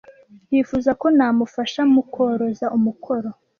Yifuza ko namufasha mukoroza umukoro.